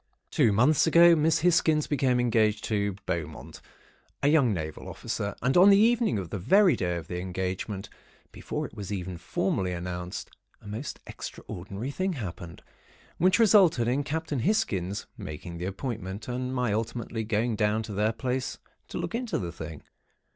"Two months ago, Miss Hisgins became engaged to Beaumont, a young Naval Officer, and on the evening of the very day of the engagement, before it was even formally announced, a most extraordinary thing happened, which resulted in Captain Hisgins making the appointment, and my ultimately going down to their place to look into the thing.